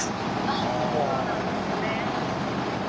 あっそうなんですね。